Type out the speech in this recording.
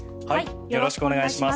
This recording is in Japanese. よろしくお願いします。